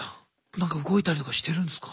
何か動いたりとかしてるんですか？